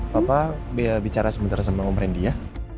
bapak biar bicara sebentar sama om rendy ya